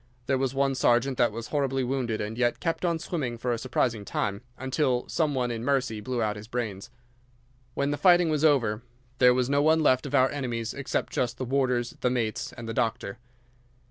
There was one sergeant that was horribly wounded and yet kept on swimming for a surprising time, until some one in mercy blew out his brains. When the fighting was over there was no one left of our enemies except just the warders, the mates, and the doctor.